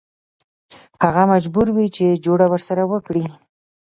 هغه مجبور وي چې جوړه ورسره وکړي.